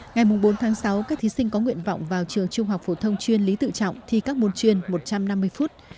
ngày bốn tháng sáu các thí sinh có nguyện vọng vào trường trung học phổ thông chuyên lý tự trọng thi các môn chuyên một trăm năm mươi phút